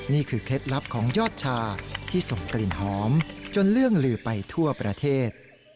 เคล็ดลับของยอดชาที่ส่งกลิ่นหอมจนเลื่องลือไปทั่วประเทศ